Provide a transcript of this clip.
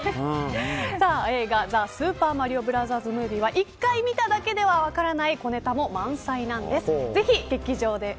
映画ザ・スーパーマリオブラザーズ・ムービーは一回見ただけでは分からない小ネタも満載なんです。